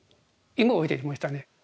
芋を植えてましたね。